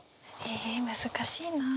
え難しいな。